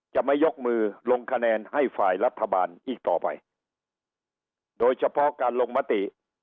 จะไม่ยกมือลงคะแนนให้ฝ่ายรัฐบาลอีกต่อไปโดยเฉพาะการลงมติ